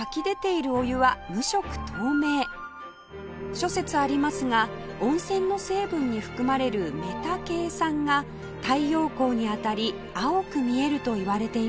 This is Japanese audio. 諸説ありますが温泉の成分に含まれるメタケイ酸が太陽光に当たり青く見えるといわれています